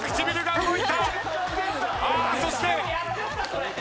そして。